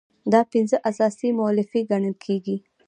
دا پنځه اساسي مولفې ګڼل کیږي.